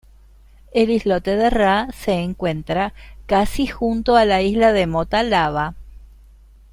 El islote de Ra se encuentra casi junto a la isla de Mota Lava.